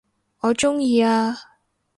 我鍾意啊